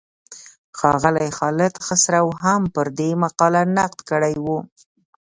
ښاغلي خالد خسرو هم پر دې مقاله نقد کړی و.